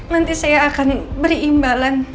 nanti saya akan beri imbalan